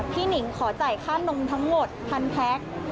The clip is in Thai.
หนิงขอจ่ายค่านมทั้งหมด๑๐๐แพ็ค